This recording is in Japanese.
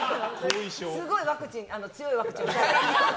すごい強いワクチン打たれた。